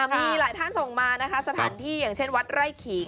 มีหลายท่านส่งมานะคะสถานที่อย่างเช่นวัดไร่ขิง